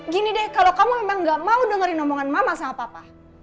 gini deh kalau kamu memang gak mau dengerin omongan mama sama papa